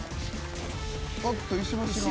おっと石橋が。